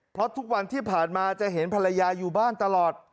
เพราะทุกวันที่ผ่านมาจะเห็นภรรยาอยู่บ้านตลอด